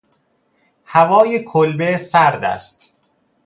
هوای کلبه سرد است.